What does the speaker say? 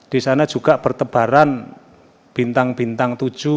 di sana juga bertebaran bintang bintang tujuh